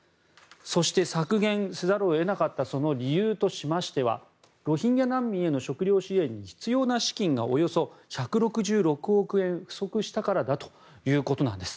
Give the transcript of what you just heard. そして、削減せざるを得なかった理由としましてロヒンギャ難民への食料支援に必要な資金がおよそ１６６億円不足したからだということなんです。